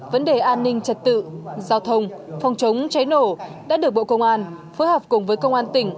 vấn đề an ninh trật tự giao thông phòng chống cháy nổ đã được bộ công an phối hợp cùng với công an tỉnh